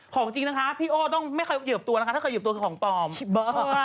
ของจริงนะคะพี่โอ้ต้องไม่ขยับตัวนะคะถ้าเขายืบตัวคล่องตอบ